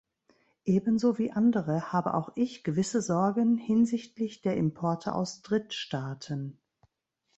Ebenso wie andere habe auch ich gewisse Sorgen hinsichtlich der Importe aus Drittstaaten.